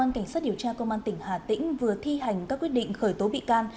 cảnh sát điều tra công an tỉnh hà tĩnh vừa thi hành các quyết định khởi tố bị can